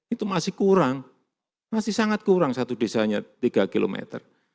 itu masih kurang masih sangat kurang satu desanya tiga kilometer